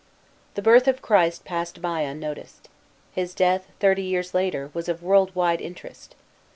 The birth of Christ passed by unnoticed. His death, thirty years later, was of world wide interest.